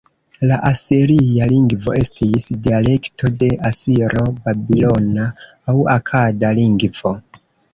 La asiria lingvo estis dialekto de asiro-babilona aŭ akada lingvo.